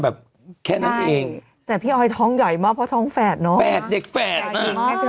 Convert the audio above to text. แบบแค่นั้นเองแต่พี่ออยท้องใหญ่มากเพราะท้องแฝดเนอะแฝดเด็กแฝด